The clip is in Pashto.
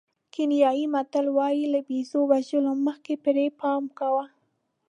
کینیايي متل وایي له بېزو وژلو مخکې پرې پام کوه.